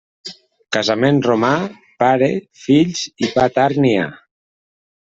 Casament romà, pare, fills i pa tard n'hi ha.